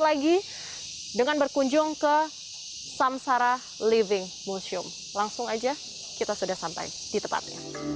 lagi dengan berkunjung ke samsara living museum langsung aja kita sudah sampai di tepatnya